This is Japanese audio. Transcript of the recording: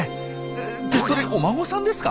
ってそれお孫さんですか？